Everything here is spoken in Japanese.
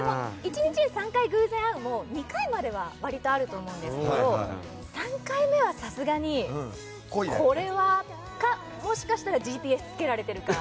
１日に３回偶然会うのも２回までは割とあると思うんですけど３回目はさすがに、これはかもしかしたらＧＰＳをつけられているか。